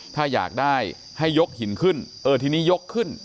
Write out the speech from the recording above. ถ้าอยากได้ให้ยกหินขึ้นเออทีนี้ยกขึ้น